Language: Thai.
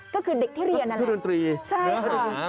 ก็คือเด็กที่เรียนน่ะนะครับใช่ค่ะ